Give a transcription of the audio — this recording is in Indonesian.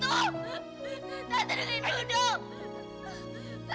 tante dengerin duduk